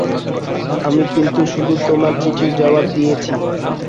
আমি কিন্তু শুধু তোমার চিঠির জবাব দিয়েছি।